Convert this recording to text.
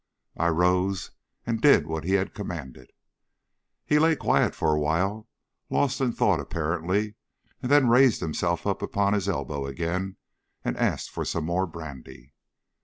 I rose and did what he had commanded. He lay quiet for a while, lost in thought apparently, and then raised himself up upon his elbow again, and asked for some more brandy.